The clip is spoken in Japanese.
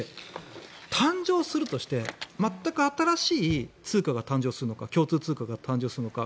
誕生するとして全く新しい通貨が誕生するのか共通通貨が誕生するのか。